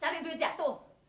cari duit jatuh